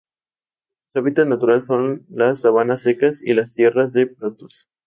Su hábitat natural son las sabanas secas y las tierras de pastos.